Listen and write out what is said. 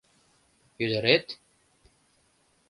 Ӱдырет!